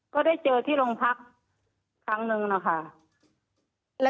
ก็ได้เจอที่โรงพักครั้งนึงนะคะ